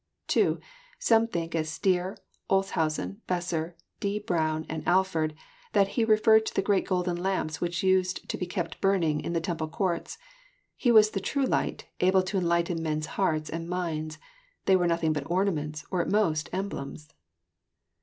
(2) Some think, as Stier, Olshausen, Besser, D. Brown, and Alford, that He referred to the great golden lamps which used to be kept burning in the temple courts. He was the true light, able to enlighten men's hearts and minds. They were nothing bat ornaments, or at most, emblems.